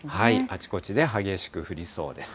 あちこちで激しく降りそうです。